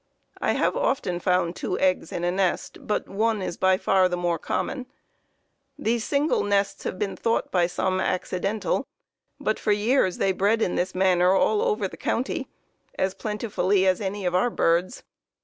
I have often found two eggs in a nest, but one is by far the more common. These single nests have been thought by some accidental, but for years they bred in this manner all over the county, as plentifully as any of our birds.